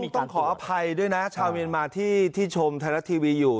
ต้องขออภัยด้วยนะชาวเมียนมาที่ชมไทยรัฐทีวีอยู่